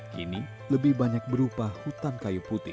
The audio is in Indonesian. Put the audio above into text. kini lebih banyak berupa hutan kayu putih